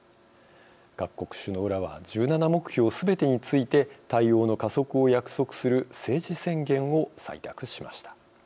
各国首脳らは１７目標すべてについて対応の加速を約束する政治宣言を採択しました。